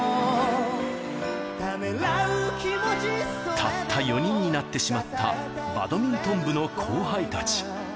たった４人になってしまったバドミントン部の後輩たち。